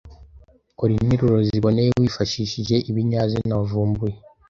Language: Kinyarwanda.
Kora interuro ziboneye wifashishije ibinyazina wavumbuye